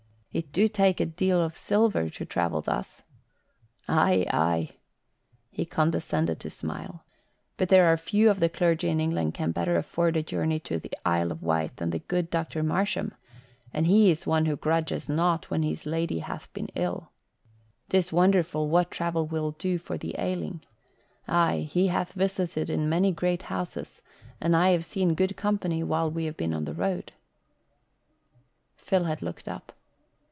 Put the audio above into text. "It do take a deal of silver to travel thus." "Aye, aye." He condescended to smile. "But there are few of the clergy in England can better afford a journey to the Isle o' Wight than the good Dr. Marsham, and he is one who grudges nought when his lady hath been ill. 'Tis wonderful what travel will do for the ailing. Aye, he hath visited in many great houses and I have seen good company while we have been on the road." Phil had looked up.